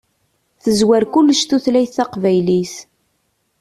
Tezwar kullec tutlayt taqbaylit.